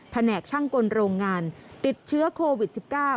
แหนกช่างกลโรงงานติดเชื้อโควิด๑๙